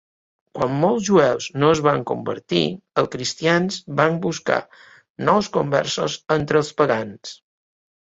Quan molts jueus no es van convertir, els cristians van buscar nous conversos entre els pagans.